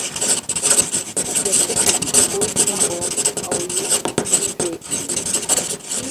Иаргьы дыццакуеит, умбо, ауаҩы дыхәжәеит.